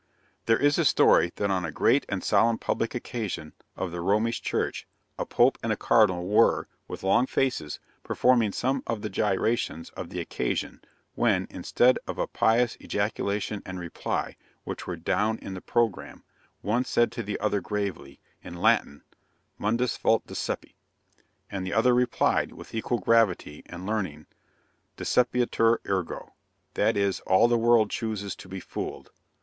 There is a story that on a great and solemn public occasion of the Romish Church, a Pope and a Cardinal were, with long faces, performing some of the gyrations of the occasion, when, instead of a pious ejaculation and reply, which were down in the programme, one said to the other gravely, in Latin "mundus vult decipi;" and the other replied, with equal gravity and learning, "decipiatur ergo:" that is, "All the world chooses to be fooled."